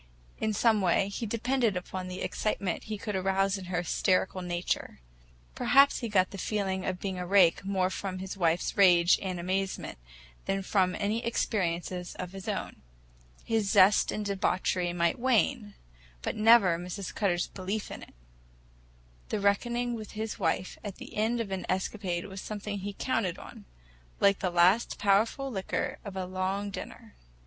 In some way he depended upon the excitement he could arouse in her hysterical nature. Perhaps he got the feeling of being a rake more from his wife's rage and amazement than from any experiences of his own. His zest in debauchery might wane, but never Mrs. Cutter's belief in it. The reckoning with his wife at the end of an escapade was something he counted on—like the last powerful liqueur after a long dinner.